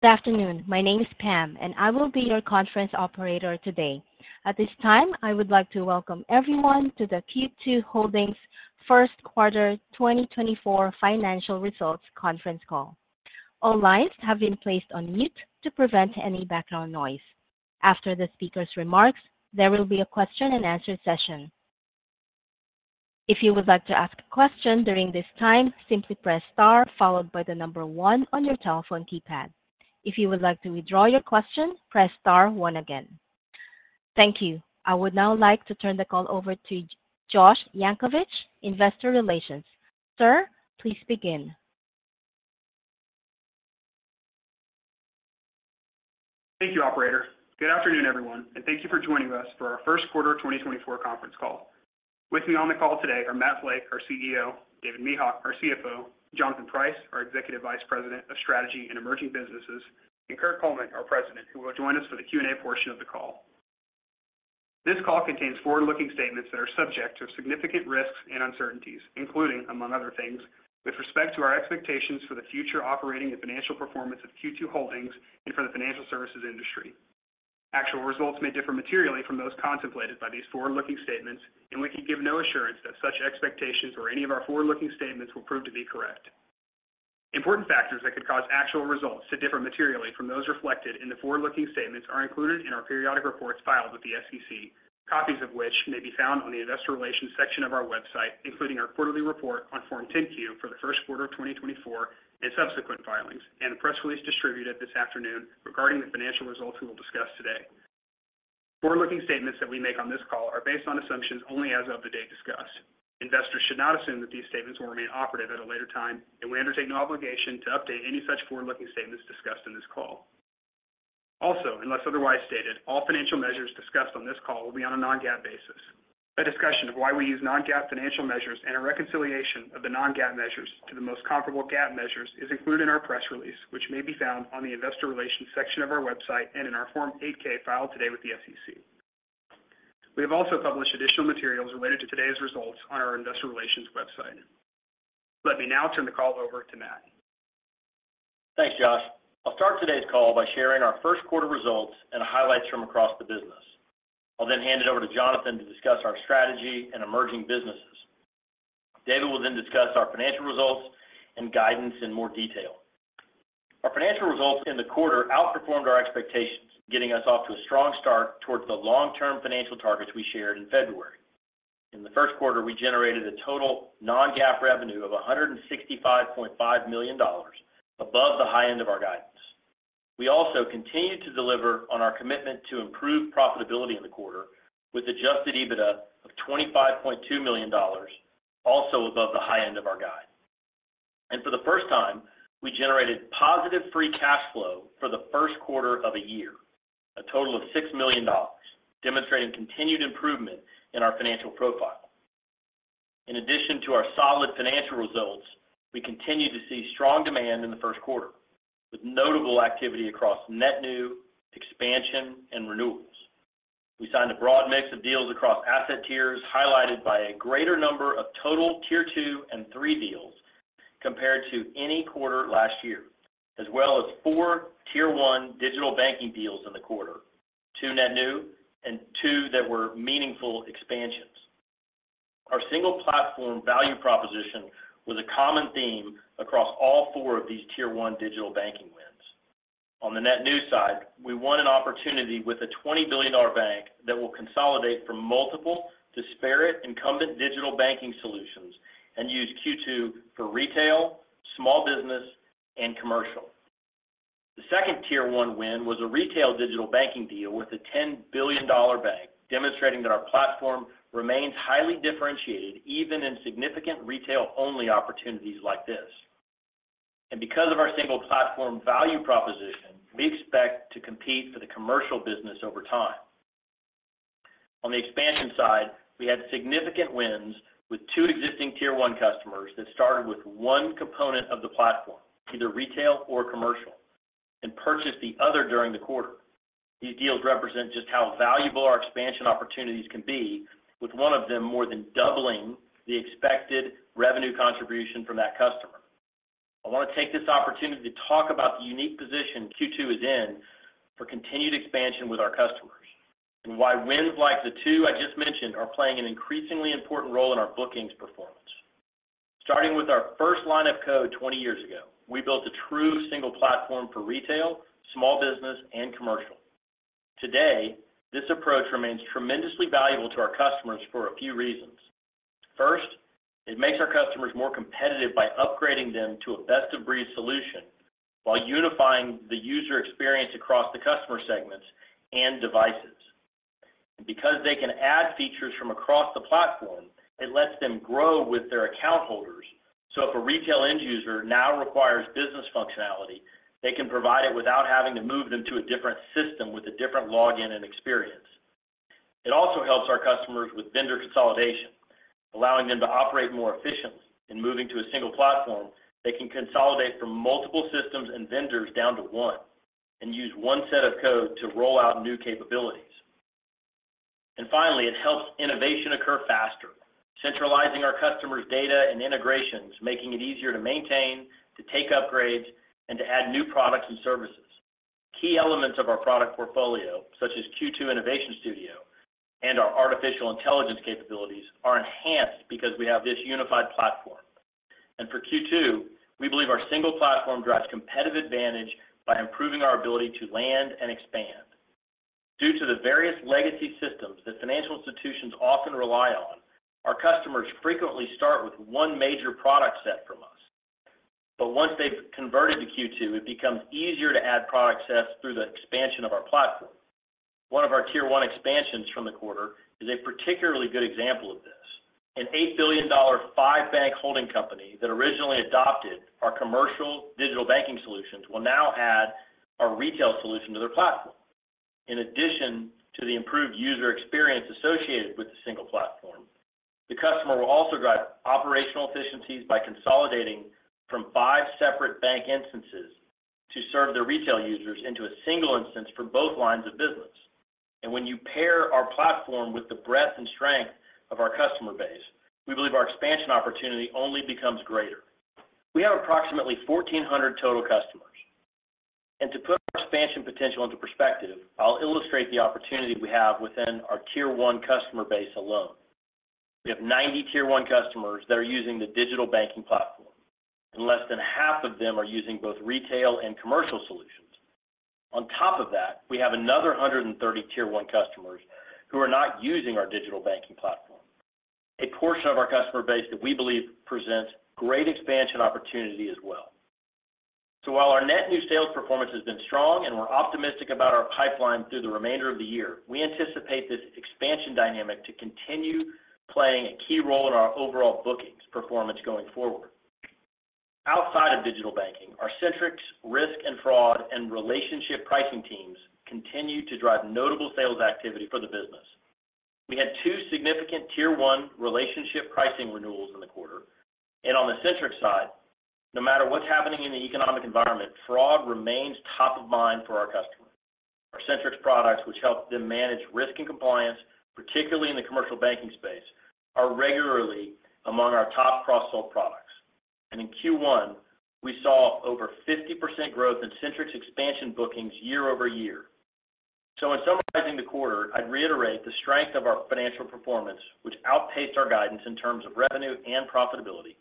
Good afternoon. My name is Pam, and I will be your conference operator today. At this time, I would like to welcome everyone to the Q2 Holdings first quarter 2024 financial results conference call. All lines have been placed on mute to prevent any background noise. After the speaker's remarks, there will be a question-and-answer session. If you would like to ask a question during this time, simply press star followed by the number one on your telephone keypad. If you would like to withdraw your question, press star one again. Thank you. I would now like to turn the call over to Josh Yankovich, Investor Relations. Sir, please begin. Thank you, operator. Good afternoon, everyone, and thank you for joining us for our first quarter 2024 conference call. With me on the call today are Matt Flake, our CEO, David Mehok, our CFO, Jonathan Price, our Executive Vice President of Strategy and Emerging Businesses, and Kirk Coleman, our President, who will join us for the Q&A portion of the call. This call contains forward-looking statements that are subject to significant risks and uncertainties, including, among other things, with respect to our expectations for the future operating and financial performance of Q2 Holdings and for the financial services industry. Actual results may differ materially from those contemplated by these forward-looking statements, and we can give no assurance that such expectations or any of our forward-looking statements will prove to be correct. Important factors that could cause actual results to differ materially from those reflected in the forward-looking statements are included in our periodic reports filed with the SEC, copies of which may be found on the Investor Relations section of our website, including our quarterly report on Form 10-Q for the first quarter of 2024 and subsequent filings, and a press release distributed this afternoon regarding the financial results we will discuss today. Forward-looking statements that we make on this call are based on assumptions only as of the date discussed. Investors should not assume that these statements will remain operative at a later time, and we undertake no obligation to update any such forward-looking statements discussed in this call. Also, unless otherwise stated, all financial measures discussed on this call will be on a non-GAAP basis. A discussion of why we use non-GAAP financial measures and a reconciliation of the non-GAAP measures to the most comparable GAAP measures is included in our press release, which may be found on the Investor Relations section of our website and in our Form 8-K filed today with the SEC. We have also published additional materials related to today's results on our Investor Relations website. Let me now turn the call over to Matt. Thanks, Josh. I'll start today's call by sharing our first quarter results and highlights from across the business. I'll then hand it over to Jonathan to discuss our strategy and emerging businesses. David will then discuss our financial results and guidance in more detail. Our financial results in the quarter outperformed our expectations, getting us off to a strong start towards the long-term financial targets we shared in February. In the first quarter, we generated a total non-GAAP revenue of $165.5 million, above the high end of our guidance. We also continued to deliver on our commitment to improve profitability in the quarter with adjusted EBITDA of $25.2 million, also above the high end of our guide. For the first time, we generated positive Free Cash Flow for the first quarter of a year, a total of $6 million, demonstrating continued improvement in our financial profile. In addition to our solid financial results, we continue to see strong demand in the first quarter, with notable activity across net new, expansion, and renewals. We signed a broad mix of deals across asset tiers, highlighted by a greater number of total Tier 2 and Tier 3 deals compared to any quarter last year, as well as four Tier 1 digital banking deals in the quarter, two net new and two that were meaningful expansions. Our single platform value proposition was a common theme across all four of these Tier 1 digital banking wins. On the net new side, we won an opportunity with a $20 billion bank that will consolidate from multiple disparate incumbent digital banking solutions and use Q2 for retail, small business, and commercial. The second Tier 1 win was a retail digital banking deal with a $10 billion bank, demonstrating that our platform remains highly differentiated, even in significant retail-only opportunities like this. And because of our single platform value proposition, we expect to compete for the commercial business over time. On the expansion side, we had significant wins with two existing Tier 1 customers that started with one component of the platform, either retail or commercial, and purchased the other during the quarter. These deals represent just how valuable our expansion opportunities can be, with one of them more than doubling the expected revenue contribution from that customer. I want to take this opportunity to talk about the unique position Q2 is in for continued expansion with our customers and why wins like the two I just mentioned are playing an increasingly important role in our bookings performance. Starting with our first line of code 20 years ago, we built a true single platform for retail, small business, and commercial. Today, this approach remains tremendously valuable to our customers for a few reasons. First, it makes our customers more competitive by upgrading them to a best-of-breed solution while unifying the user experience across the customer segments and devices. Because they can add features from across the platform, it lets them grow with their account holders. So if a retail end user now requires business functionality, they can provide it without having to move them to a different system with a different login and experience. It also helps our customers with vendor consolidation, allowing them to operate more efficiently. In moving to a single platform, they can consolidate from multiple systems and vendors down to one and use one set of code to roll out new capabilities. And finally, it helps innovation occur faster, centralizing our customers' data and integrations, making it easier to maintain, to take upgrades, and to add new products and services. Key elements of our product portfolio, such as Q2 Innovation Studio and our artificial intelligence capabilities, are enhanced because we have this unified platform. And for Q2, we believe our single platform drives competitive advantage by improving our ability to land and expand. Due to the various legacy systems that financial institutions often rely on, our customers frequently start with one major product set from us. But once they've converted to Q2, it becomes easier to add product sets through the expansion of our platform. One of our Tier 1 expansions from the quarter is a particularly good example of this. An $8 billion five-bank holding company that originally adopted our commercial digital banking solutions will now add our retail solution to their platform. In addition to the improved user experience associated with the single platform, the customer will also drive operational efficiencies by consolidating from five separate bank instances to serve their retail users into a single instance for both lines of business. And when you pair our platform with the breadth and strength of our customer base, we believe our expansion opportunity only becomes greater. We have approximately 1,400 total customers, and to put our expansion potential into perspective, I'll illustrate the opportunity we have within our Tier 1 customer base alone. We have 90 Tier 1 customers that are using the digital banking platform, and less than half of them are using both retail and commercial solutions. On top of that, we have another 130 Tier 1 customers who are not using our digital banking platform, a portion of our customer base that we believe presents great expansion opportunity as well. So while our net new sales performance has been strong, and we're optimistic about our pipeline through the remainder of the year, we anticipate this expansion dynamic to continue playing a key role in our overall bookings performance going forward. Outside of digital banking, our Centrix, Risk and Fraud, and Relationship Pricing teams continue to drive notable sales activity for the business. We had two significant Tier 1 Relationship Pricing renewals in the quarter, and on the Centrix side, no matter what's happening in the economic environment, fraud remains top of mind for our customers. Our Centrix products, which help them manage risk and compliance, particularly in the commercial banking space, are regularly among our top cross-sell products. And in Q1, we saw over 50% growth in Centrix expansion bookings year-over-year. So in summarizing the quarter, I'd reiterate the strength of our financial performance, which outpaced our guidance in terms of revenue and profitability.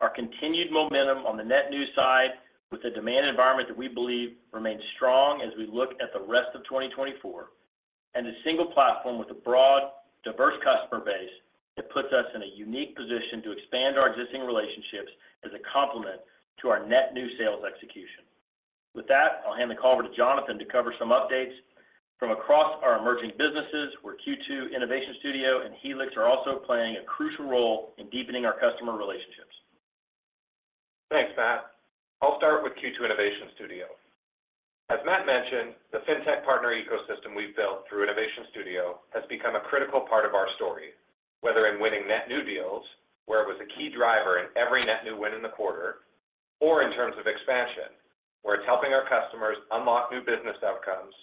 Our continued momentum on the net new side, with the demand environment that we believe remains strong as we look at the rest of 2024, and a single platform with a broad, diverse customer base that puts us in a unique position to expand our existing relationships as a complement to our net new sales execution. With that, I'll hand the call over to Jonathan to cover some updates from across our emerging businesses, where Q2, Innovation Studio, and Helix are also playing a crucial role in deepening our customer relationships. Thanks, Matt. I'll start with Q2 Innovation Studio. As Matt mentioned, the fintech partner ecosystem we've built through Innovation Studio has become a critical part of our story, whether in winning net new deals, where it was a key driver in every net new win in the quarter, or in terms of expansion, where it's helping our customers unlock new business outcomes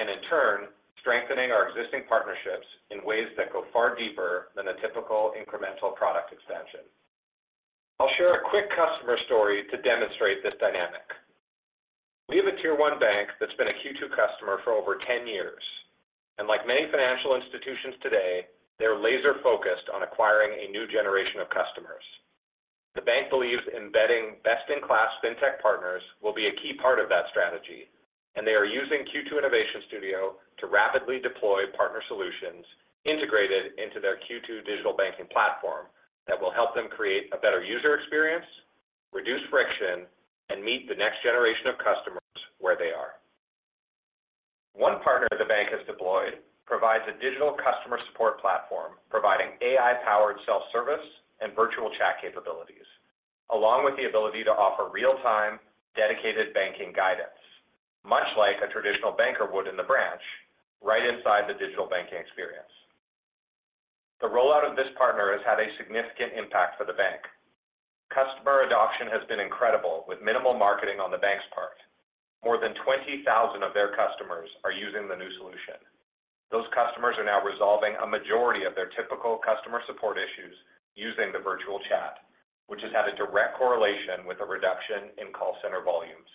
and in turn, strengthening our existing partnerships in ways that go far deeper than a typical incremental product expansion. I'll share a quick customer story to demonstrate this dynamic. We have a Tier 1 bank that's been a Q2 customer for over 10 years, and like many financial institutions today, they're laser-focused on acquiring a new generation of customers. The bank believes embedding best-in-class fintech partners will be a key part of that strategy, and they are using Q2 Innovation Studio to rapidly deploy partner solutions integrated into their Q2 digital banking platform that will help them create a better user experience, reduce friction, and meet the next generation of customers where they are. One partner the bank has deployed provides a digital customer support platform, providing AI-powered self-service and virtual chat capabilities, along with the ability to offer real-time, dedicated banking guidance, much like a traditional banker would in the branch, right inside the digital banking experience. The rollout of this partner has had a significant impact for the bank. Customer adoption has been incredible, with minimal marketing on the bank's part. More than 20,000 of their customers are using the new solution. Those customers are now resolving a majority of their typical customer support issues using the virtual chat, which has had a direct correlation with a reduction in call center volumes.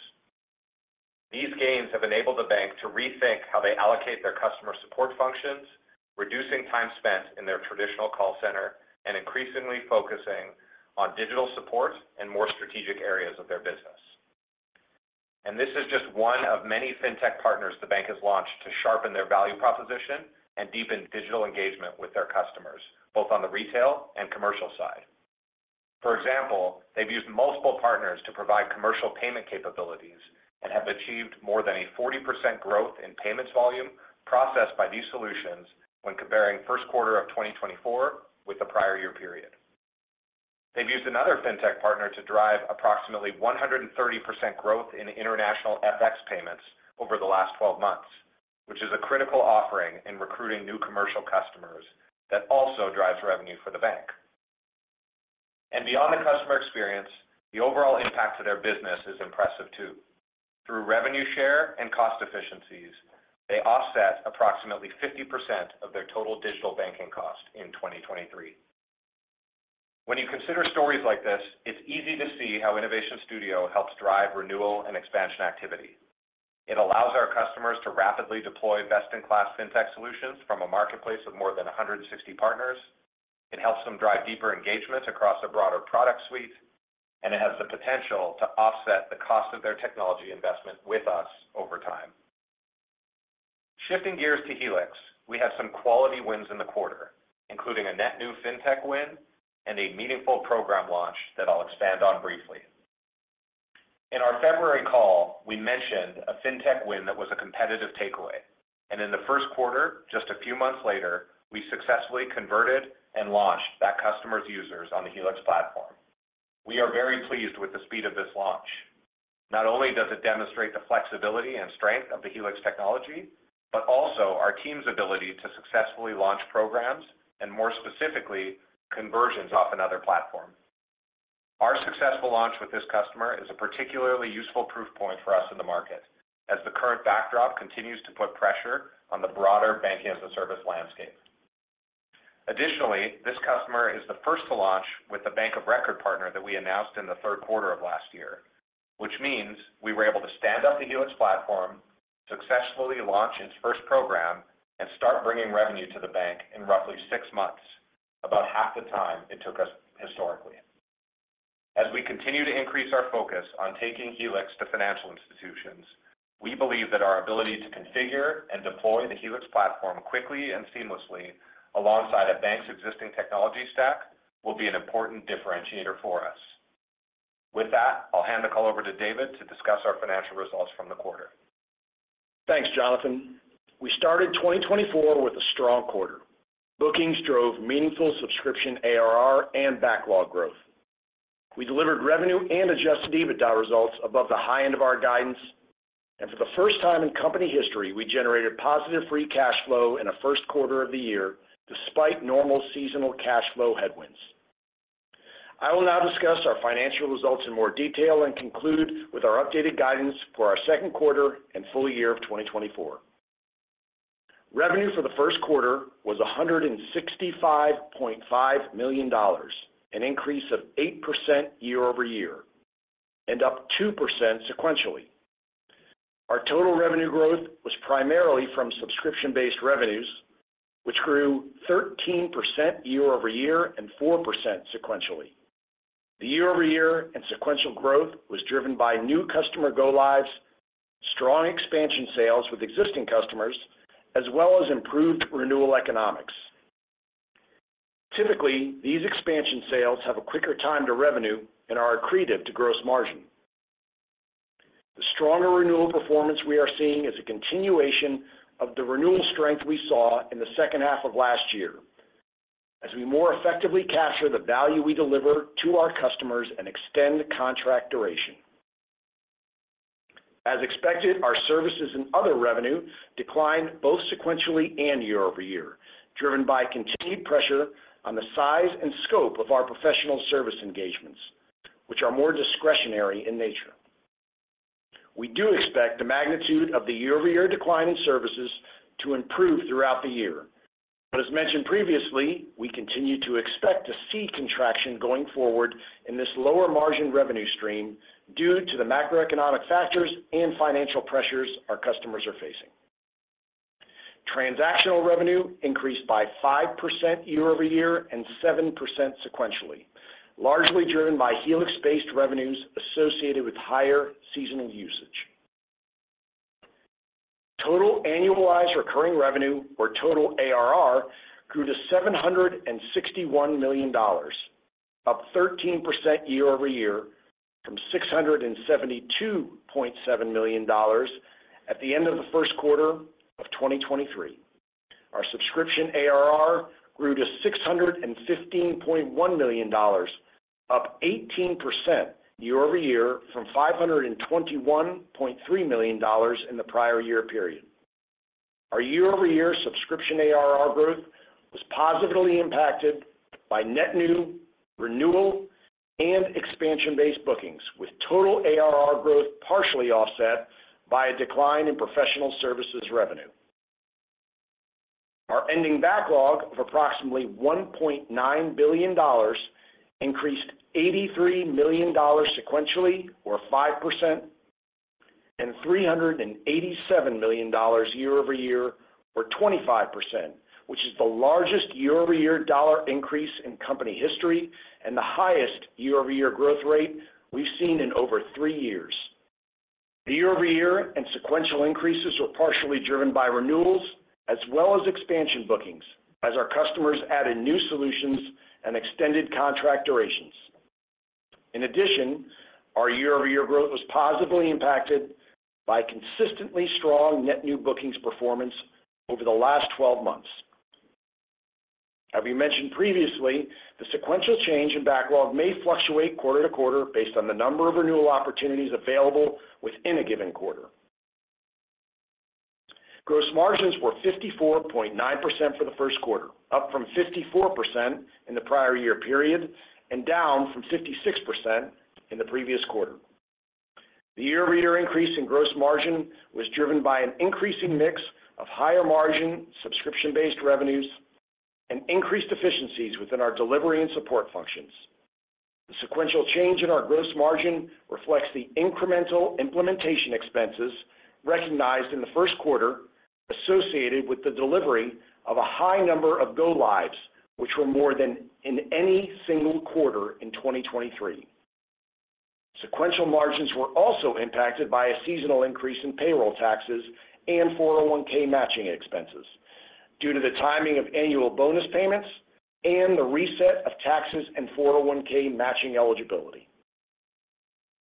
These gains have enabled the bank to rethink how they allocate their customer support functions, reducing time spent in their traditional call center and increasingly focusing on digital support and more strategic areas of their business. This is just one of many fintech partners the bank has launched to sharpen their value proposition and deepen digital engagement with their customers, both on the retail and commercial side. For example, they've used multiple partners to provide commercial payment capabilities and have achieved more than a 40% growth in payments volume processed by these solutions when comparing first quarter of 2024 with the prior year period. They've used another fintech partner to drive approximately 130% growth in international FX payments over the last 12 months, which is a critical offering in recruiting new commercial customers that also drives revenue for the bank. And beyond the customer experience, the overall impact to their business is impressive too. Through revenue share and cost efficiencies, they offset approximately 50% of their total digital banking cost in 2023. When you consider stories like this, it's easy to see how Innovation Studio helps drive renewal and expansion activity. It allows our customers to rapidly deploy best-in-class fintech solutions from a marketplace of more than 160 partners. It helps them drive deeper engagement across a broader product suite, and it has the potential to offset the cost of their technology investment with us over time. Shifting gears to Helix, we have some quality wins in the quarter, including a net new fintech win and a meaningful program launch that I'll expand on briefly. In our February call, we mentioned a fintech win that was a competitive takeaway, and in the first quarter, just a few months later, we successfully converted and launched that customer's users on the Helix platform. We are very pleased with the speed of this launch. Not only does it demonstrate the flexibility and strength of the Helix technology, but also our team's ability to successfully launch programs and more specifically, conversions off another platform. Our successful launch with this customer is a particularly useful proof point for us in the market, as the current backdrop continues to put pressure on the broader bank-as-a-service landscape. Additionally, this customer is the first to launch with the bank of record partner that we announced in the third quarter of last year, which means we were able to stand up the Helix platform, successfully launch its first program, and start bringing revenue to the bank in roughly six months, about half the time it took us historically. As we continue to increase our focus on taking Helix to financial institutions, we believe that our ability to configure and deploy the Helix platform quickly and seamlessly alongside a bank's existing technology stack will be an important differentiator for us. With that, I'll hand the call over to David to discuss our financial results from the quarter. Thanks, Jonathan. We started 2024 with a strong quarter. Bookings drove meaningful Subscription ARR and Backlog growth. We delivered revenue and Adjusted EBITDA results above the high end of our guidance, and for the first time in company history, we generated positive Free Cash Flow in a first quarter of the year, despite normal seasonal cash flow headwinds. I will now discuss our financial results in more detail and conclude with our updated guidance for our second quarter and full year of 2024. Revenue for the first quarter was $165.5 million, an increase of 8% year-over-year and up 2% sequentially. Our total revenue growth was primarily from subscription-based revenues, which grew 13% year-over-year and 4% sequentially. The year-over-year and sequential growth was driven by new customer go-lives, strong expansion sales with existing customers, as well as improved renewal economics. Typically, these expansion sales have a quicker time to revenue and are accretive to gross margin. The stronger renewal performance we are seeing is a continuation of the renewal strength we saw in the second half of last year, as we more effectively capture the value we deliver to our customers and extend contract duration. As expected, our services and other revenue declined both sequentially and year-over-year, driven by continued pressure on the size and scope of our professional service engagements, which are more discretionary in nature. We do expect the magnitude of the year-over-year decline in services to improve throughout the year. But as mentioned previously, we continue to expect to see contraction going forward in this lower margin revenue stream due to the macroeconomic factors and financial pressures our customers are facing. Transactional revenue increased by 5% year-over-year and 7% sequentially, largely driven by Helix-based revenues associated with higher seasonal usage. Total annualized recurring revenue, or total ARR, grew to $761 million, up 13% year-over-year from $672.7 million at the end of the first quarter of 2023. Our Subscription ARR grew to $615.1 million, up 18% year-over-year from $521.3 million in the prior year period. Our year-over-year Subscription ARR growth was positively impacted by net new, renewal, and expansion-based bookings, with total ARR growth partially offset by a decline in professional services revenue. Our ending backlog of approximately $1.9 billion increased $83 million sequentially, or 5%, and $387 million year-over-year, or 25%, which is the largest year-over-year dollar increase in company history and the highest year-over-year growth rate we've seen in over 3 years. The year-over-year and sequential increases were partially driven by renewals as well as expansion bookings as our customers added new solutions and extended contract durations. In addition, our year-over-year growth was positively impacted by consistently strong net new bookings performance over the last 12 months. As we mentioned previously, the sequential change in backlog may fluctuate quarter to quarter based on the number of renewal opportunities available within a given quarter. Gross margins were 54.9% for the first quarter, up from 54% in the prior year period, and down from 56% in the previous quarter. The year-over-year increase in gross margin was driven by an increasing mix of higher margin, subscription-based revenues, and increased efficiencies within our delivery and support functions. The sequential change in our gross margin reflects the incremental implementation expenses recognized in the first quarter, associated with the delivery of a high number of go-lives, which were more than in any single quarter in 2023. Sequential margins were also impacted by a seasonal increase in payroll taxes and 401(k) matching expenses due to the timing of annual bonus payments and the reset of taxes and 401(k) matching eligibility.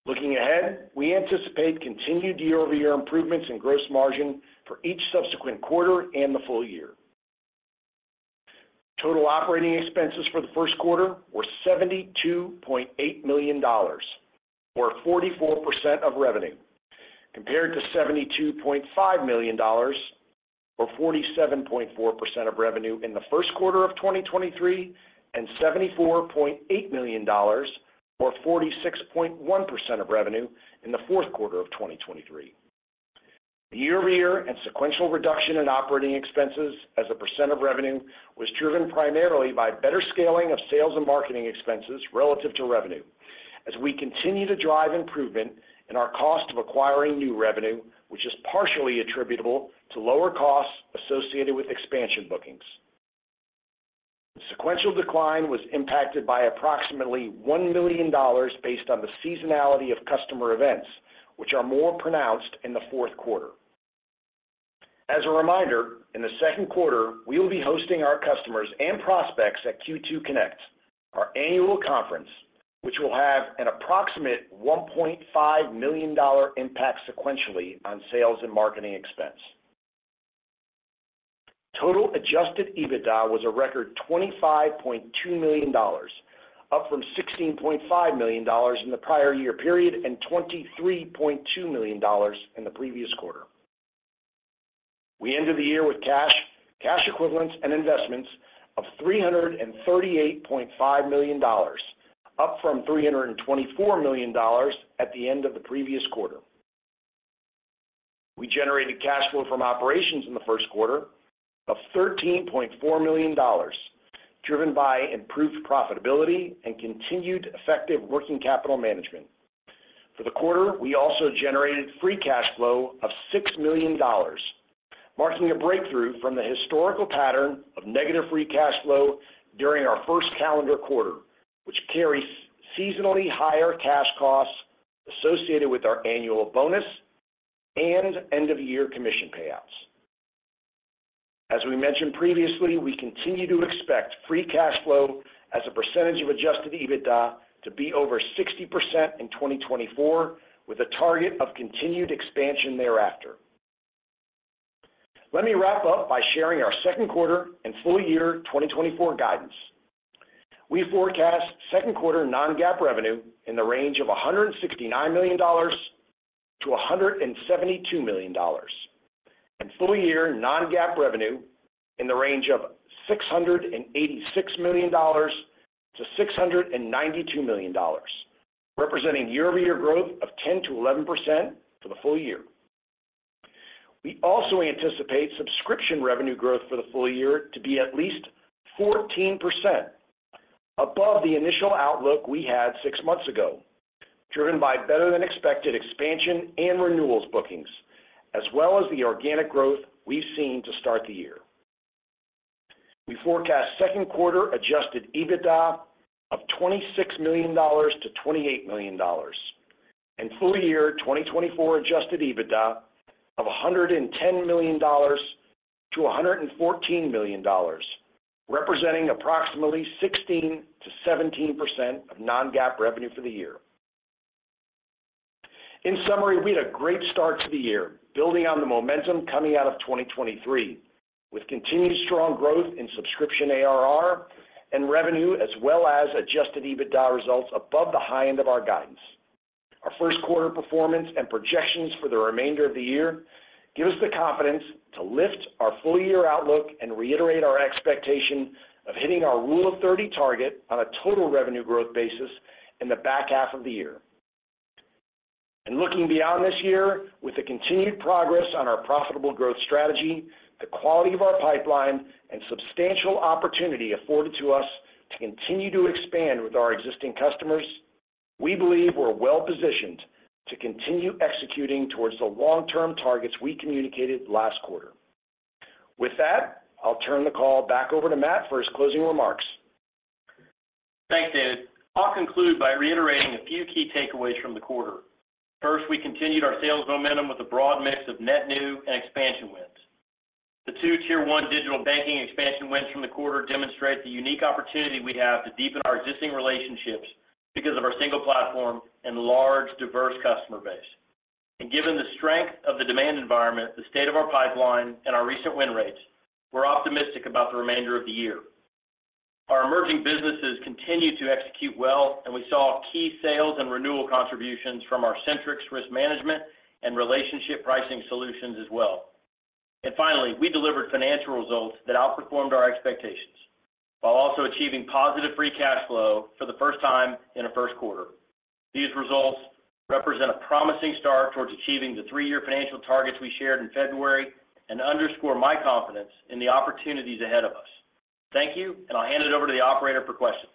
Looking ahead, we anticipate continued year-over-year improvements in gross margin for each subsequent quarter and the full year. Total operating expenses for the first quarter were $72.8 million, or 44% of revenue, compared to $72.5 million, or 47.4% of revenue in the first quarter of 2023, and $74.8 million, or 46.1% of revenue in the fourth quarter of 2023. The year-over-year and sequential reduction in operating expenses as a percent of revenue was driven primarily by better scaling of sales and marketing expenses relative to revenue. As we continue to drive improvement in our cost of acquiring new revenue, which is partially attributable to lower costs associated with expansion bookings. The sequential decline was impacted by approximately $1 million based on the seasonality of customer events, which are more pronounced in the fourth quarter. As a reminder, in the second quarter, we will be hosting our customers and prospects at Q2 Connect, our annual conference, which will have an approximate $1.5 million dollar impact sequentially on sales and marketing expense. Total Adjusted EBITDA was a record $25.2 million, up from $16.5 million in the prior year period, and $23.2 million in the previous quarter. We ended the year with cash, cash equivalents, and investments of $338.5 million, up from $324 million at the end of the previous quarter. We generated cash flow from operations in the first quarter of $13.4 million, driven by improved profitability and continued effective working capital management. For the quarter, we also generated free cash flow of $6 million, marking a breakthrough from the historical pattern of negative free cash flow during our first calendar quarter, which carries seasonally higher cash costs associated with our annual bonus and end-of-year commission payouts. As we mentioned previously, we continue to expect free cash flow as a percentage of Adjusted EBITDA to be over 60% in 2024, with a target of continued expansion thereafter. Let me wrap up by sharing our second quarter and full year 2024 guidance. We forecast second quarter non-GAAP revenue in the range of $169 million-$172 million, and full-year non-GAAP revenue in the range of $686 million-$692 million, representing year-over-year growth of 10%-11% for the full year. We also anticipate subscription revenue growth for the full year to be at least 14% above the initial outlook we had six months ago, driven by better-than-expected expansion and renewals bookings, as well as the organic growth we've seen to start the year. We forecast second quarter adjusted EBITDA of $26 million-$28 million, and full year 2024 adjusted EBITDA of $110 million-$114 million, representing approximately 16%-17% of non-GAAP revenue for the year. In summary, we had a great start to the year, building on the momentum coming out of 2023, with continued strong growth in Subscription ARR and revenue, as well as adjusted EBITDA results above the high end of our guidance. Our first quarter performance and projections for the remainder of the year, gives us the confidence to lift our full-year outlook and reiterate our expectation of hitting our Rule of 30 target on a total revenue growth basis in the back half of the year. Looking beyond this year, with the continued progress on our profitable growth strategy, the quality of our pipeline, and substantial opportunity afforded to us to continue to expand with our existing customers, we believe we're well-positioned to continue executing towards the long-term targets we communicated last quarter. With that, I'll turn the call back over to Matt for his closing remarks. Thanks, David. I'll conclude by reiterating a few key takeaways from the quarter. First, we continued our sales momentum with a broad mix of net new and expansion wins. The two Tier 1 digital banking expansion wins from the quarter demonstrate the unique opportunity we have to deepen our existing relationships because of our single platform and large, diverse customer base. And given the strength of the demand environment, the state of our pipeline, and our recent win rates, we're optimistic about the remainder of the year.... Our emerging businesses continue to execute well, and we saw key sales and renewal contributions from our Centrix risk management and Relationship Pricing solutions as well. And finally, we delivered financial results that outperformed our expectations, while also achieving positive free cash flow for the first time in a first quarter. These results represent a promising start towards achieving the three-year financial targets we shared in February, and underscore my confidence in the opportunities ahead of us. Thank you, and I'll hand it over to the operator for questions.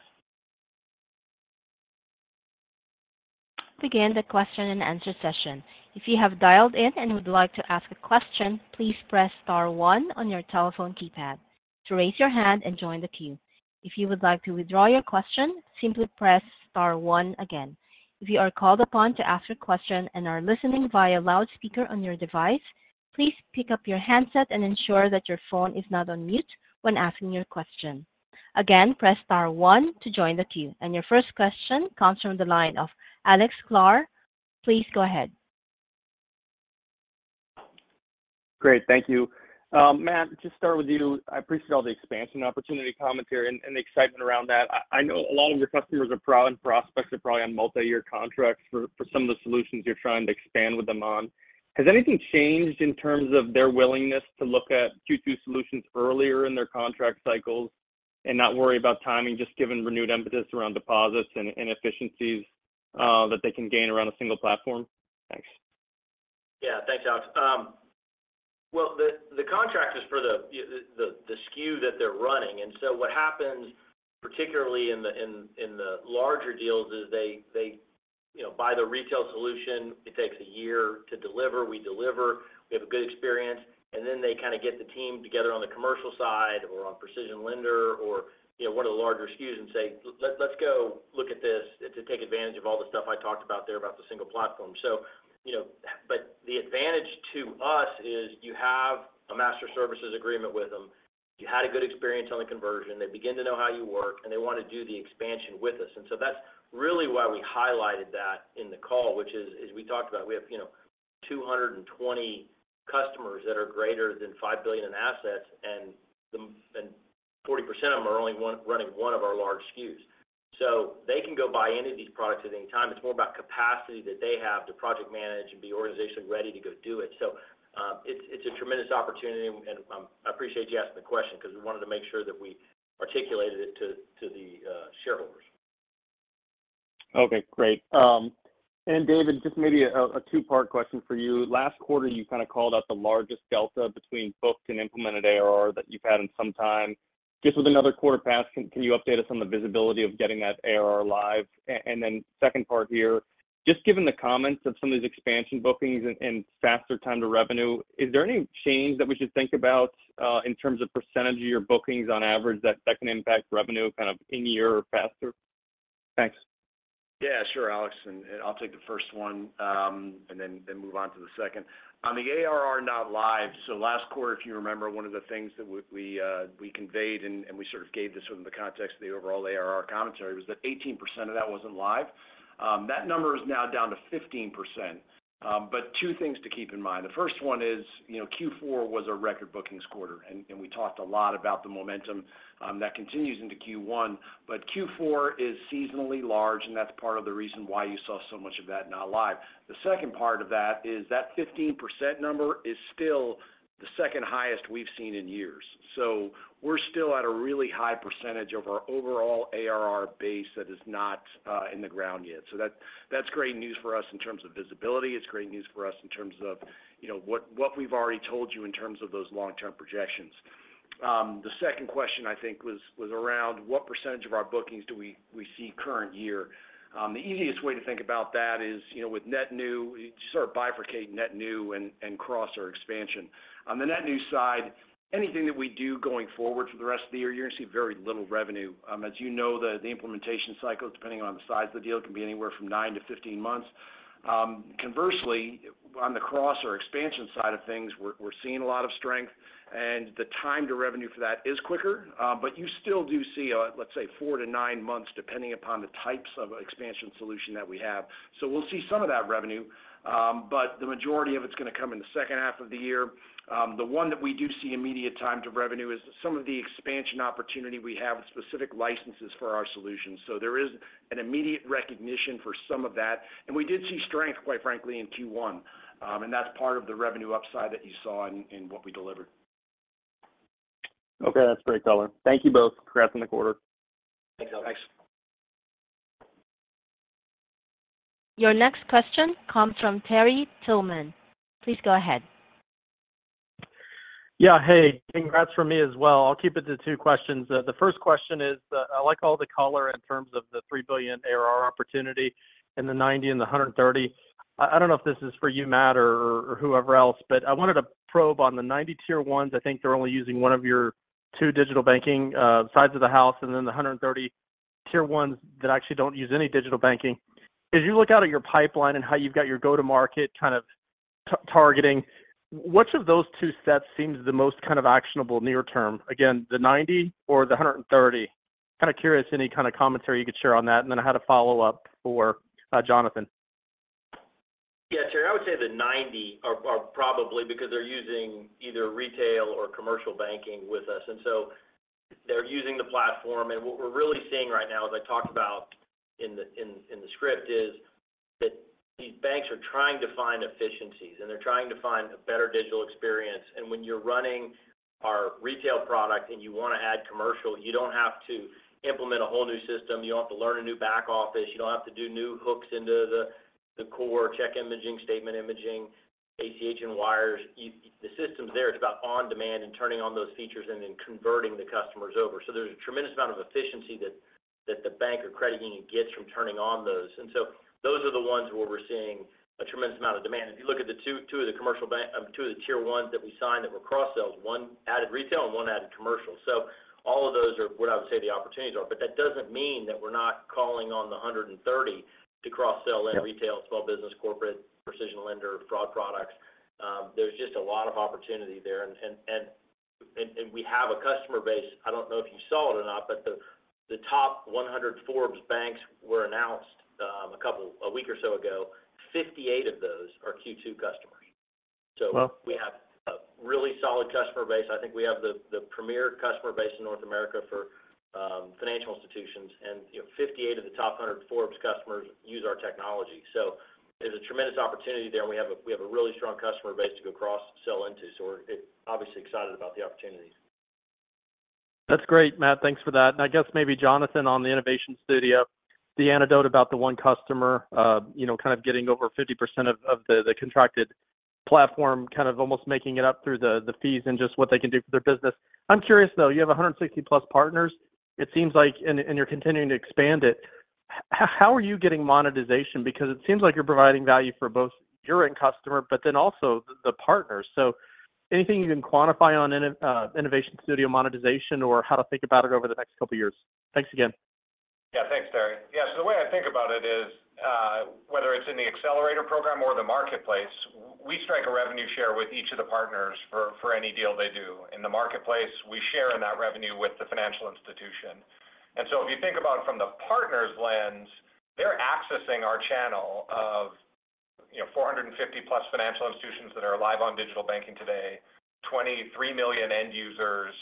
Begin the question and answer session. If you have dialed in and would like to ask a question, please press star one on your telephone keypad to raise your hand and join the queue. If you would like to withdraw your question, simply press star one again. If you are called upon to ask a question and are listening via loudspeaker on your device, please pick up your handset and ensure that your phone is not on mute when asking your question. Again, press star one to join the queue. Your first question comes from the line of Alex Sklar. Please go ahead. Great. Thank you. Matt, just start with you. I appreciate all the expansion opportunity commentary and, and the excitement around that. I, I know a lot of your customers are proud, and prospects are probably on multiyear contracts for, for some of the solutions you're trying to expand with them on. Has anything changed in terms of their willingness to look at Q2 solutions earlier in their contract cycles and not worry about timing, just given renewed emphasis around deposits and, and efficiencies, that they can gain around a single platform? Thanks. Yeah. Thanks, Alex. Well, the contract is for the SKU that they're running. And so what happens, particularly in the larger deals, is they, you know, buy the retail solution. It takes a year to deliver. We deliver, we have a good experience, and then they kind of get the team together on the commercial side or on PrecisionLender or, you know, one of the larger SKUs and say, "Let's go look at this," to take advantage of all the stuff I talked about there, about the single platform. So, you know, but the advantage to us is you have a Master Services Agreement with them. You had a good experience on the conversion. They begin to know how you work, and they want to do the expansion with us. So that's really why we highlighted that in the call, which is, as we talked about, we have, you know, 220 customers that are greater than $5 billion in assets, and 40% of them are only running one of our large SKUs. So they can go buy any of these products at any time. It's more about capacity that they have to project manage and be organizationally ready to go do it. So, it's a tremendous opportunity, and I appreciate you asking the question because we wanted to make sure that we articulated it to the shareholders. Okay, great. And David, just maybe a two-part question for you. Last quarter, you kind of called out the largest delta between booked and implemented ARR that you've had in some time. Just with another quarter pass, can you update us on the visibility of getting that ARR live? And then second part here, just given the comments of some of these expansion bookings and faster time to revenue, is there any change that we should think about in terms of percentage of your bookings on average, that can impact revenue kind of in-year or faster? Thanks. Yeah, sure, Alex. And I'll take the first one, and then move on to the second. On the ARR not live, so last quarter, if you remember, one of the things that we conveyed, and we sort of gave this within the context of the overall ARR commentary, was that 18% of that wasn't live. That number is now down to 15%. But two things to keep in mind. The first one is, you know, Q4 was a record bookings quarter, and we talked a lot about the momentum that continues into Q1. But Q4 is seasonally large, and that's part of the reason why you saw so much of that not live. The second part of that is that 15% number is still the second highest we've seen in years. So we're still at a really high percentage of our overall ARR base that is not in the ground yet. So that's, that's great news for us in terms of visibility. It's great news for us in terms of, you know, what, what we've already told you in terms of those long-term projections. The second question I think, was, was around what percentage of our bookings do we, we see current year? The easiest way to think about that is, you know, with net new, you sort of bifurcate net new and, and cross our expansion. On the net new side, anything that we do going forward for the rest of the year, you're going to see very little revenue. As you know, the, the implementation cycle, depending on the size of the deal, can be anywhere from 9-15 months. Conversely, on the cross or expansion side of things, we're seeing a lot of strength, and the time to revenue for that is quicker. But you still do see, let's say, four to nine months, depending upon the types of expansion solution that we have. So we'll see some of that revenue, but the majority of it's going to come in the second half of the year. The one that we do see immediate time to revenue is some of the expansion opportunity we have with specific licenses for our solutions. So there is an immediate recognition for some of that, and we did see strength, quite frankly, in Q1, and that's part of the revenue upside that you saw in what we delivered. Okay, that's great color. Thank you both. Congrats on the quarter. Thanks, Alex. Thanks. Your next question comes from Terry Tillman. Please go ahead. Yeah. Hey, congrats from me as well. I'll keep it to two questions. The first question is, I like all the color in terms of the 3 billion ARR opportunity and the 90 and the 130. I don't know if this is for you, Matt, or whoever else, but I wanted to probe on the 90 Tier 1s. I think they're only using one of your two digital banking sides of the house, and then the 130 Tier 1s that actually don't use any digital banking. As you look out at your pipeline and how you've got your go-to-market kind of targeting, which of those two sets seems the most kind of actionable near-term? Again, the 90 or the 130. Kind of curious, any kind of commentary you could share on that, and then I had a follow-up for Jonathan. Yeah, Terry, I would say the 90 are probably because they're using either retail or commercial banking with us. And so they're using the platform, and what we're really seeing right now, as I talked about in the script, is that these banks are trying to find efficiencies, and they're trying to find a better digital experience. And when you're running our retail product and you want to add commercial, you don't have to implement a whole new system. You don't have to learn a new back office. You don't have to do new hooks into the core check imaging, statement imaging, ACH and wires. You, the system's there. It's about on-demand and turning on those features and then converting the customers over. So there's a tremendous amount of efficiency that the bank or credit union gets from turning on those. And so those are the ones where we're seeing a tremendous amount of demand. If you look at the two, two of the commercial banks, two of the Tier 1s that we signed that were cross sales, one added retail and one added commercial. So all of those are what I would say the opportunities are, but that doesn't mean that we're not calling on the 130 to cross-sell in retail, small business, corporate, PrecisionLender, fraud products. There's just a lot of opportunity there. And we have a customer base. I don't know if you saw it or not, but the Top 100 Forbes Banks were announced a couple weeks or so ago. 58 of those are Q2 customers. Wow! So we have a really solid customer base. I think we have the premier customer base in North America for financial institutions. And, you know, 58 of the top 100 Forbes customers use our technology. So there's a tremendous opportunity there, and we have a really strong customer base to go cross-sell into. So we're obviously excited about the opportunities. That's great, Matt. Thanks for that. I guess maybe Jonathan, on the Innovation Studio, the anecdote about the one customer, you know, kind of getting over 50% of the contracted platform, kind of almost making it up through the fees and just what they can do for their business. I'm curious, though. You have 160+ partners, it seems like, and you're continuing to expand it. How are you getting monetization? Because it seems like you're providing value for both your end customer, but then also the partners. So anything you can quantify on Innovation Studio monetization, or how to think about it over the next couple of years? Thanks again. Yeah, thanks, Terry. Yeah, so the way I think about it is, whether it's in the accelerator program or the marketplace, we strike a revenue share with each of the partners for, for any deal they do. In the marketplace, we share in that revenue with the financial institution. And so if you think about it from the partner's lens, they're accessing our channel of, you know, 450+ financial institutions that are live on digital banking today, 23 million end users,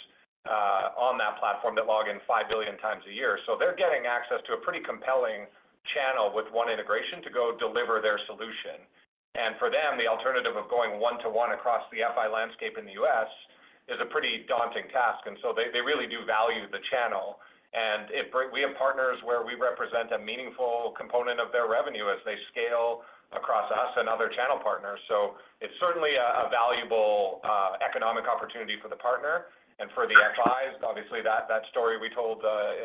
on that platform that log in 5 billion times a year. So they're getting access to a pretty compelling channel with one integration to go deliver their solution. And for them, the alternative of going one to one across the FI landscape in the U.S. is a pretty daunting task, and so they, they really do value the channel. We have partners where we represent a meaningful component of their revenue as they scale across us and other channel partners. So it's certainly a valuable economic opportunity for the partner and for the FIs. Obviously, that story we told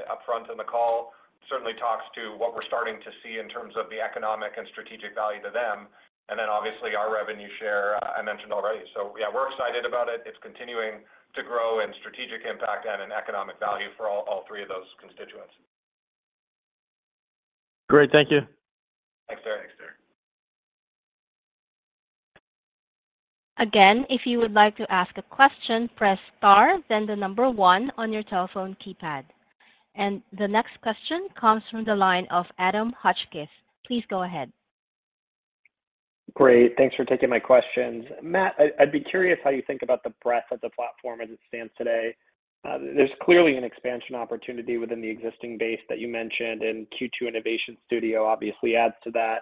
upfront in the call certainly talks to what we're starting to see in terms of the economic and strategic value to them, and then obviously, our revenue share, I mentioned already. So yeah, we're excited about it. It's continuing to grow in strategic impact and in economic value for all three of those constituents. Great. Thank you. Thanks, Terry. Thanks, Terry. Again, if you would like to ask a question, press star, then the number one on your telephone keypad. And the next question comes from the line of Adam Hotchkiss. Please go ahead. Great. Thanks for taking my questions. Matt, I'd be curious how you think about the breadth of the platform as it stands today. There's clearly an expansion opportunity within the existing base that you mentioned, and Q2 Innovation Studio obviously adds to that.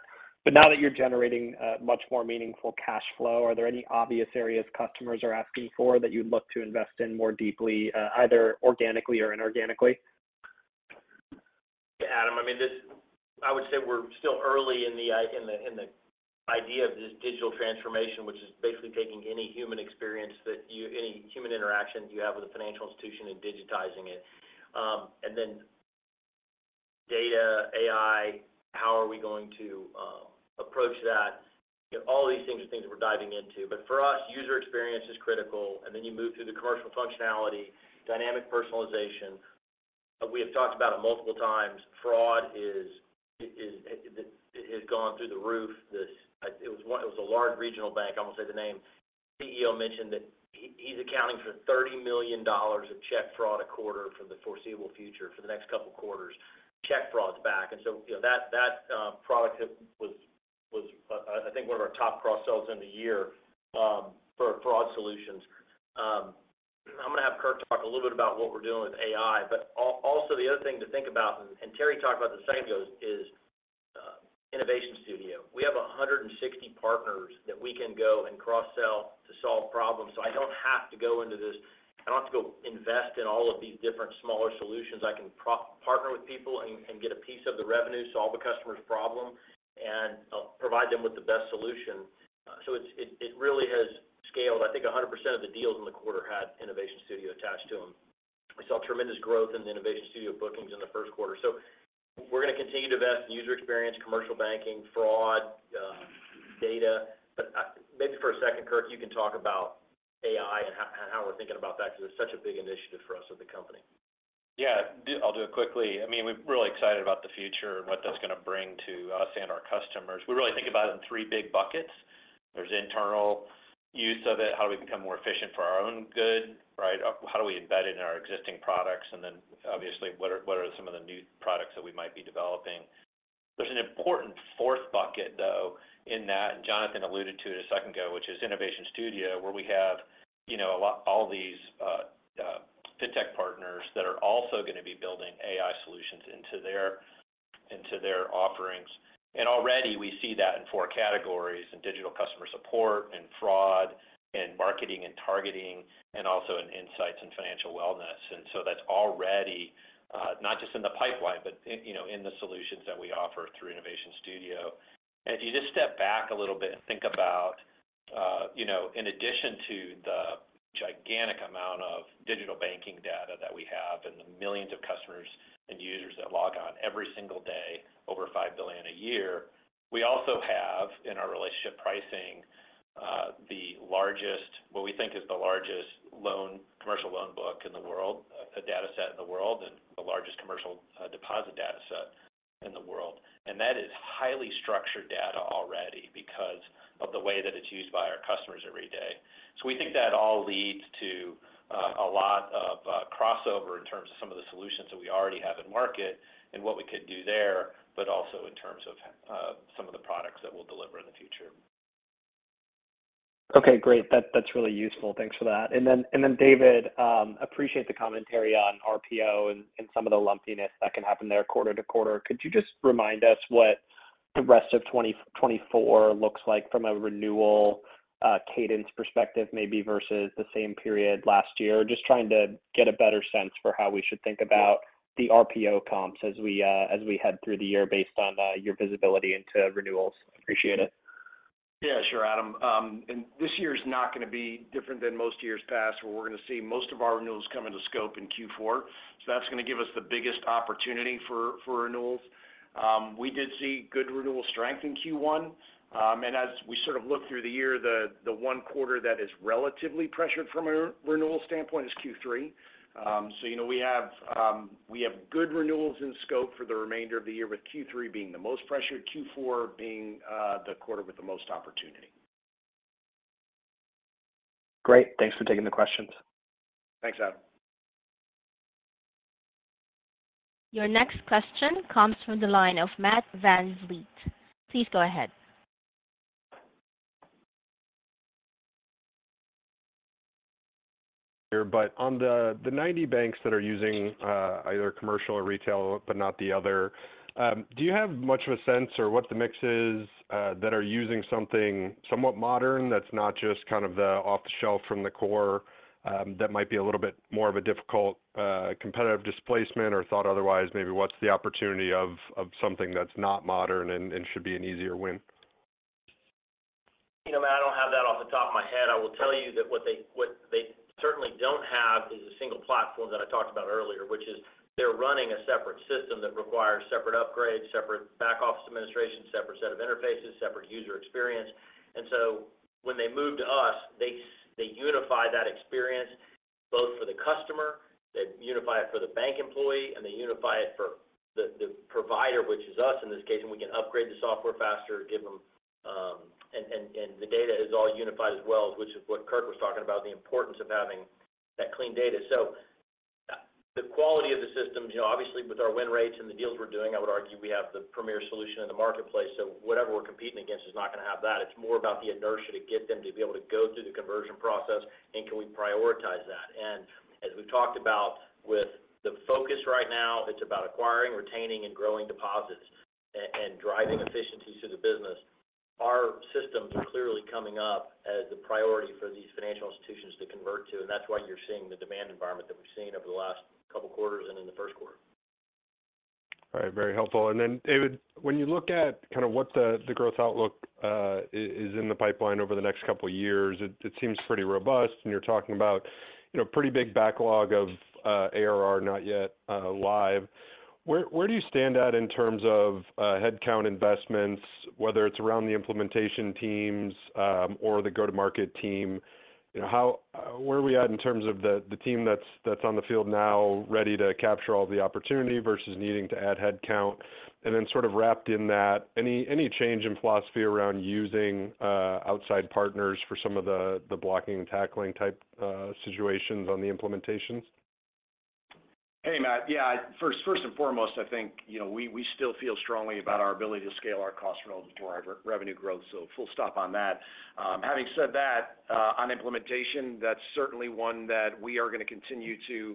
But now that you're generating a much more meaningful cash flow, are there any obvious areas customers are asking for that you'd look to invest in more deeply, either organically or inorganically? Yeah, Adam, I mean, this—I would say we're still early in the idea of this digital transformation, which is basically taking any human experience that you—any human interaction you have with a financial institution and digitizing it. And then data, AI, how are we going to approach that? You know, all these things are things we're diving into. But for us, user experience is critical, and then you move through the commercial functionality, dynamic personalization. We have talked about it multiple times. Fraud is, it has gone through the roof. This, it was a large regional bank, I won't say the name. The CEO mentioned that he is accounting for $30 million of check fraud a quarter for the foreseeable future, for the next couple of quarters. Check fraud's back, and so, you know, that product was one of our top cross-sells in the year for fraud solutions. I'm going to have Kirk talk a little bit about what we're doing with AI, but also the other thing to think about, and Terry talked about the same goes, is Innovation Studio. We have 160 partners that we can go and cross-sell to solve problems. So I don't have to go into this... I don't have to go invest in all of these different smaller solutions. I can partner with people and get a piece of the revenue, solve a customer's problem, and provide them with the best solution. So it really has scaled. I think 100% of the deals in the quarter had Innovation Studio attached to them. We saw tremendous growth in the Innovation Studio bookings in the first quarter. So we're going to continue to invest in user experience, commercial banking, fraud, data. But, maybe for a second, Kirk, you can talk about AI and how we're thinking about that, because it's such a big initiative for us with the company. Yeah, I'll do it quickly. I mean, we're really excited about the future and what that's going to bring to us and our customers. We really think about it in three big buckets.... there's internal use of it, how do we become more efficient for our own good, right? How do we embed it in our existing products? And then obviously, what are some of the new products that we might be developing? There's an important fourth bucket, though, in that, and Jonathan alluded to it a second ago, which is Innovation Studio, where we have, you know, a lot, all these fintech partners that are also going to be building AI solutions into their offerings. And already we see that in four categories: in digital customer support, in fraud, in marketing and targeting, and also in insights and financial wellness. And so that's already not just in the pipeline, but you know, in the solutions that we offer through Innovation Studio. If you just step back a little bit and think about, you know, in addition to the gigantic amount of digital banking data that we have and the millions of customers and users that log on every single day, over 5 billion a year, we also have, in our Relationship Pricing, the largest... what we think is the largest loan-commercial loan book in the world, a data set in the world, and the largest commercial, deposit data set in the world. And that is highly structured data already because of the way that it's used by our customers every day. So we think that all leads to a lot of crossover in terms of some of the solutions that we already have in market and what we could do there, but also in terms of some of the products that we'll deliver in the future. Okay, great. That's really useful. Thanks for that. And then David, appreciate the commentary on RPO and some of the lumpiness that can happen there quarter to quarter. Could you just remind us what the rest of 2024 looks like from a renewal cadence perspective, maybe versus the same period last year? Just trying to get a better sense for how we should think about the RPO comps as we as we head through the year based on your visibility into renewals. Appreciate it. Yeah, sure, Adam. And this year is not going to be different than most years past, where we're going to see most of our renewals come into scope in Q4. So that's going to give us the biggest opportunity for renewals. We did see good renewal strength in Q1. And as we sort of look through the year, the one quarter that is relatively pressured from a renewal standpoint is Q3. So you know, we have good renewals in scope for the remainder of the year, with Q3 being the most pressured, Q4 being the quarter with the most opportunity. Great. Thanks for taking the questions. Thanks, Adam. Your next question comes from the line of Matt VanVliet. Please go ahead. But on the 90 banks that are using either commercial or retail, but not the other, do you have much of a sense of what the mix is that are using something somewhat modern that's not just kind of the off-the-shelf from the core that might be a little bit more of a difficult competitive displacement or thought otherwise, maybe what's the opportunity of something that's not modern and should be an easier win? You know, Matt, I don't have that off the top of my head. I will tell you that what they certainly don't have is a single platform that I talked about earlier, which is they're running a separate system that requires separate upgrades, separate back office administration, separate set of interfaces, separate user experience. And so when they move to us, they unify that experience, both for the customer, they unify it for the bank employee, and they unify it for the provider, which is us in this case, and we can upgrade the software faster, give them. And the data is all unified as well, which is what Kirk was talking about, the importance of having that clean data. So, the quality of the system, you know, obviously, with our win rates and the deals we're doing, I would argue we have the premier solution in the marketplace. So whatever we're competing against is not going to have that. It's more about the inertia to get them to be able to go through the conversion process and can we prioritize that? And as we've talked about with the focus right now, it's about acquiring, retaining, and growing deposits and driving efficiencies to the business. Our systems are clearly coming up as the priority for these financial institutions to convert to, and that's why you're seeing the demand environment that we've seen over the last couple of quarters and in the first quarter. All right. Very helpful. And then, David, when you look at kind of what the growth outlook is in the pipeline over the next couple of years, it seems pretty robust, and you're talking about, you know, pretty big backlog of ARR not yet live. Where do you stand in terms of headcount investments, whether it's around the implementation teams or the go-to-market team? You know, how where are we at in terms of the team that's on the field now, ready to capture all the opportunity versus needing to add headcount? And then sort of wrapped in that, any change in philosophy around using outside partners for some of the blocking and tackling type situations on the implementations? Hey, Matt. Yeah, first and foremost, I think, you know, we still feel strongly about our ability to scale our costs relative to our revenue growth, so full stop on that. Having said that, on implementation, that's certainly one that we are going to continue to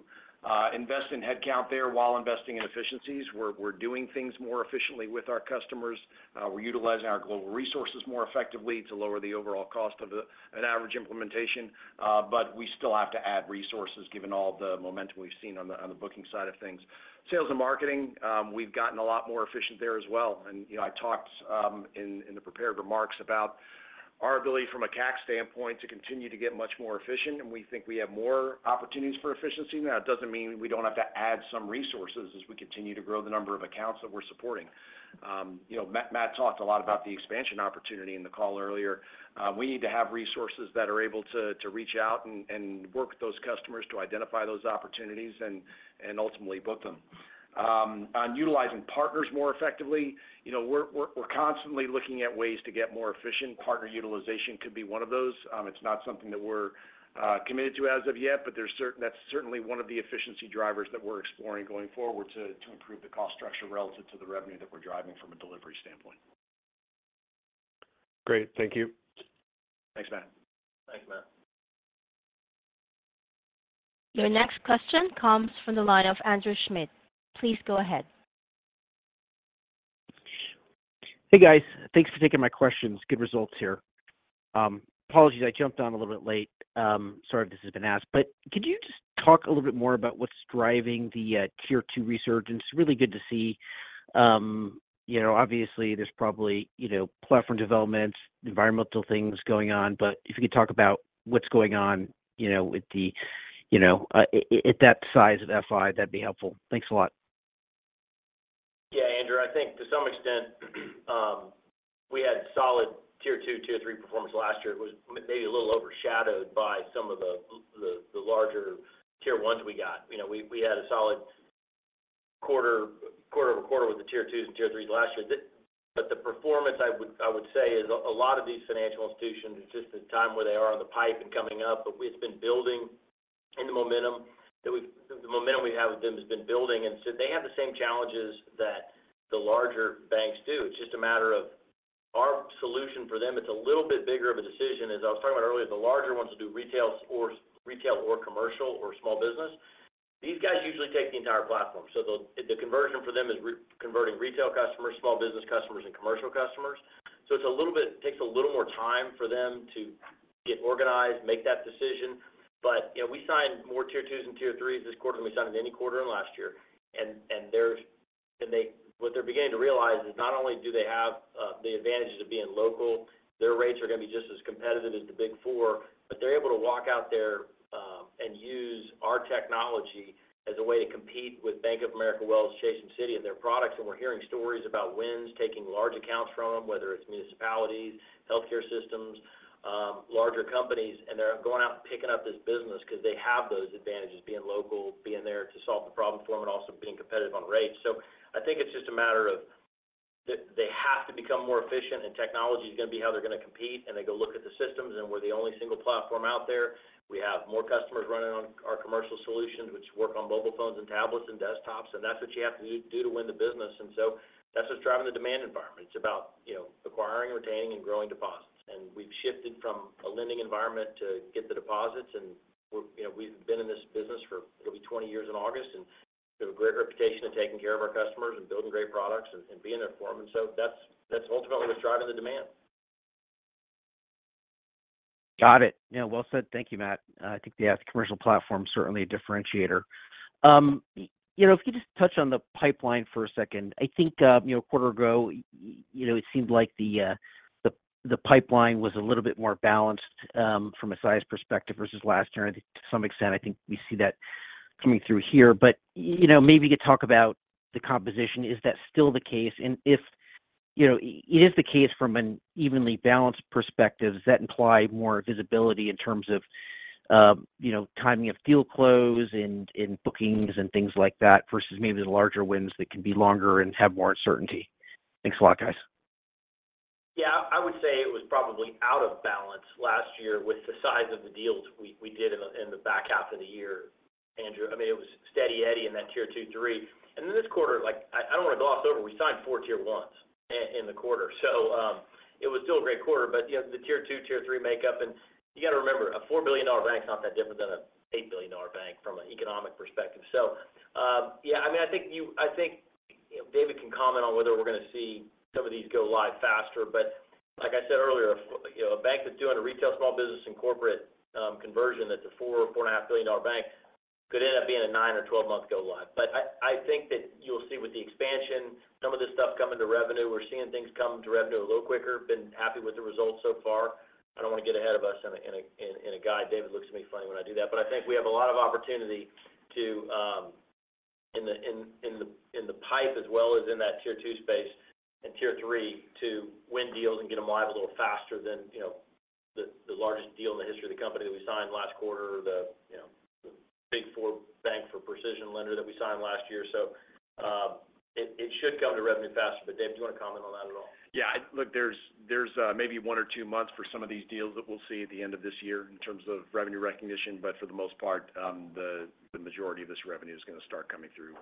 invest in headcount there while investing in efficiencies. We're doing things more efficiently with our customers. We're utilizing our global resources more effectively to lower the overall cost of an average implementation, but we still have to add resources, given all the momentum we've seen on the booking side of things. Sales and marketing, we've gotten a lot more efficient there as well. You know, I talked in the prepared remarks about our ability from a CAC standpoint to continue to get much more efficient, and we think we have more opportunities for efficiency. Now, it doesn't mean we don't have to add some resources as we continue to grow the number of accounts that we're supporting. You know, Matt talked a lot about the expansion opportunity in the call earlier. We need to have resources that are able to reach out and work with those customers to identify those opportunities and ultimately book them. On utilizing partners more effectively, you know, we're constantly looking at ways to get more efficient. Partner utilization could be one of those. It's not something that we're committed to as of yet, but there's certain, that's certainly one of the efficiency drivers that we're exploring going forward to improve the cost structure relative to the revenue that we're driving from a delivery standpoint. Great. Thank you. Thanks, Matt. Thanks, Matt. Your next question comes from the line of Andrew Schmidt. Please go ahead. Hey, guys. Thanks for taking my questions. Good results here. Apologies, I jumped on a little bit late. Sorry if this has been asked, but could you just talk a little bit more about what's driving the Tier 2 resurgence? It's really good to see. You know, obviously, there's probably, you know, platform developments, environmental things going on, but if you could talk about what's going on, you know, with the, you know, at that size of FI, that'd be helpful. Thanks a lot. Yeah, Andrew, I think to some extent, we had solid Tier 2, Tier 3 performance last year. It was maybe a little overshadowed by some of the larger Tier 1s we got. You know, we had a solid quarter-over-quarter with the Tier 2s and Tier 3s last year. But the performance, I would say, is a lot of these financial institutions, it's just the time where they are on the pipe and coming up, but we've been building, and the momentum we have with them has been building, and so they have the same challenges that the larger banks do. It's just a matter of our solution for them, it's a little bit bigger of a decision. As I was talking about earlier, the larger ones do retail or retail or commercial or small business. These guys usually take the entire platform, so the conversion for them is re-converting retail customers, small business customers, and commercial customers. So it's a little bit. It takes a little more time for them to get organized, make that decision. But, you know, we signed more Tier 2s and Tier 3s this quarter than we signed in any quarter in last year. And what they're beginning to realize is not only do they have the advantages of being local, their rates are going to be just as competitive as the Big Four, but they're able to walk out there and use our technology as a way to compete with Bank of America, Wells, Chase, and Citi, and their products. And we're hearing stories about wins, taking large accounts from them, whether it's municipalities, healthcare systems, larger companies, and they're going out and picking up this business because they have those advantages, being local, being there to solve the problem for them, and also being competitive on rates. So I think it's just a matter of they have to become more efficient, and technology is going to be how they're going to compete, and they go look at the systems, and we're the only single platform out there. We have more customers running on our commercial solutions, which work on mobile phones and tablets and desktops, and that's what you have to do to win the business. And so that's what's driving the demand environment. It's about, you know, acquiring, retaining, and growing deposits. We've shifted from a lending environment to get the deposits, and we're, you know, we've been in this business for it'll be 20 years in August, and we have a great reputation of taking care of our customers and building great products and, and being there for them. So that's, that's ultimately what's driving the demand. Got it. Yeah, well said. Thank you, Matt. I think the commercial platform is certainly a differentiator. You know, if you could just touch on the pipeline for a second. I think you know, a quarter ago, you know, it seemed like the pipeline was a little bit more balanced from a size perspective versus last year. And to some extent, I think we see that coming through here. But you know, maybe you could talk about the composition. Is that still the case? And if you know, if the case from an evenly balanced perspective, does that imply more visibility in terms of you know, timing of deal close and bookings and things like that, versus maybe the larger wins that can be longer and have more uncertainty? Thanks a lot, guys. Yeah, I would say it was probably out of balance last year with the size of the deals we, we did in the back half of the year, Andrew. I mean, it was Steady Eddie in that Tier 2, Tier 3. And then this quarter, like, I don't want to gloss over, we signed four Tier 1s in the quarter, so it was still a great quarter, but, you know, the Tier 2, Tier 3 makeup, and you got to remember, a $4 billion bank is not that different than a $8 billion bank from an economic perspective. So, yeah, I mean, I think you. I think you know, David can comment on whether we're going to see some of these go live faster. But like I said earlier, you know, a bank that's doing a retail, small business, and corporate conversion, that's a $4-$4.5 billion bank could end up being a 9- or 12-month go live. But I, I think that you'll see with the expansion, some of this stuff coming to revenue, we're seeing things come to revenue a little quicker. Been happy with the results so far. I don't want to get ahead of us in a guide. David looks at me funny when I do that. But I think we have a lot of opportunity to in the pipe as well as in that Tier 2 space and Tier 3, to win deals and get them live a little faster than, you know, the largest deal in the history of the company that we signed last quarter, the, you know, the big four bank for PrecisionLender that we signed last year. So, it should come to revenue faster, but David, do you want to comment on that at all? Yeah, look, there's maybe one or two months for some of these deals that we'll see at the end of this year in terms of revenue recognition, but for the most part, the majority of this revenue is going to start coming through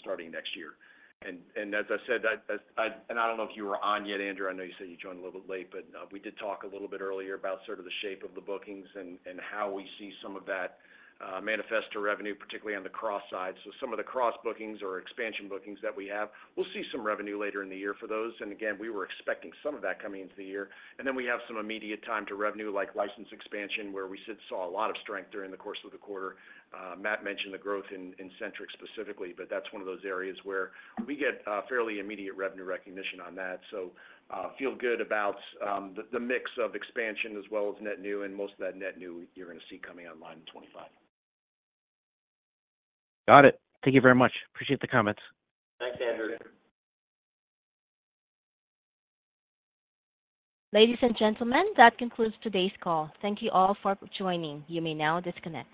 starting next year. And as I said, and I don't know if you were on yet, Andrew, I know you said you joined a little bit late, but we did talk a little bit earlier about sort of the shape of the bookings and how we see some of that manifest to revenue, particularly on the cross side. So some of the cross bookings or expansion bookings that we have, we'll see some revenue later in the year for those. And again, we were expecting some of that coming into the year. And then we have some immediate time to revenue, like license expansion, where we saw a lot of strength during the course of the quarter. Matt mentioned the growth in Centrix specifically, but that's one of those areas where we get fairly immediate revenue recognition on that. So, feel good about the mix of expansion as well as net new, and most of that net new you're going to see coming online in 25. Got it. Thank you very much. Appreciate the comments. Thanks, Andrew. Ladies and gentlemen, that concludes today's call. Thank you all for joining. You may now disconnect.